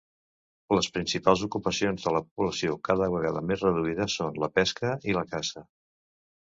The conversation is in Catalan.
Les principals ocupacions de la població, cada vegada més reduïda, són la pesca i la caça.